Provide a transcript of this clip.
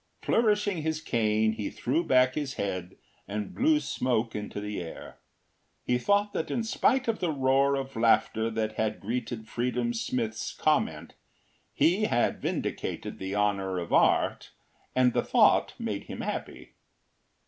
Flourishing his cane he threw back his head and blew smoke into the air. He thought that in spite of the roar of laughter that had greeted Freedom Smith’s comment, he had vindicated the honour of art and the thought made him happy.